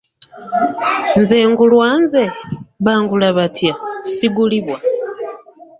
Nze ngulwa nze, bangula batya, sigulibwa.